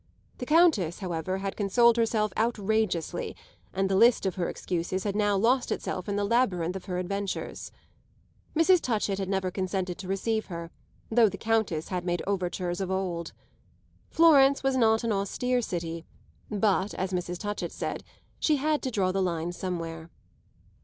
The Countess, however, had consoled herself outrageously, and the list of her excuses had now lost itself in the labyrinth of her adventures. Mrs. Touchett had never consented to receive her, though the Countess had made overtures of old. Florence was not an austere city; but, as Mrs. Touchett said, she had to draw the line somewhere.